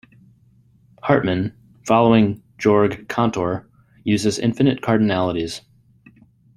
Hartman, following Georg Cantor, uses infinite cardinalities.